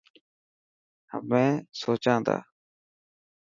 همين سوچان تا.